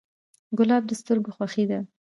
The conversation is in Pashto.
ګلاب د سترګو خوښي ده.